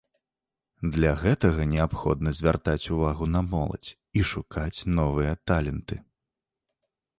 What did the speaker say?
Для гэтага неабходна звяртаць увагу на моладзь і шукаць новыя таленты.